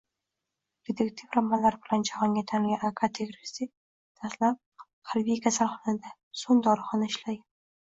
Dedektiv romanlari bilan jahonga tanilgan Agata Kristi dastlab harbiy kasalxonada, so‘ng dorixonada ishlagan